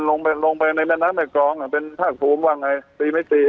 ลงไปลงไปในแม่น้ำในกรองอ่ะเป็นภาคภูมิว่าไงตีไม่ตี